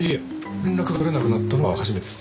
連絡がとれなくなったのは初めてです。